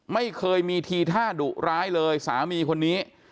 ไม่เคยมีทีท่าดุร้ายเลยสามีคนนี้